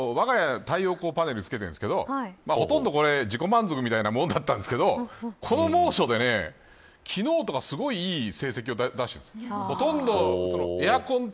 わが家は太陽光パネルを付けているんですけど、ほとんど自己満足みたいなものだったんですけどこの猛暑で昨日とかすごいいい成績を出しているんです。